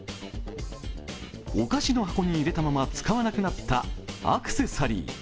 お菓子の箱に入れたまま使わなくなったアクセサリー。